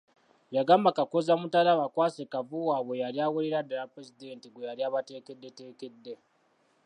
Yagamba Kakooza Mutale abakwase Kavvu waabwe eyali awerera ddala Pulezidenti gwe yali abateekeddeteekedde.